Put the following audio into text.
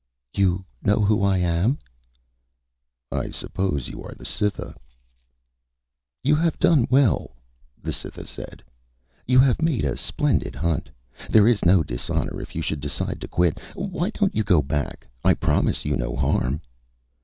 "You know who I am?" "I suppose you are the Cytha." "You have done well," the Cytha said. "You've made a splendid hunt. There is no dishonor if you should decide to quit. Why don't you go back? I promise you no harm."